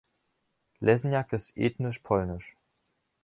Lesniak ist ethnisch polnisch.